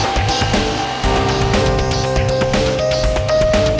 aduh udah pak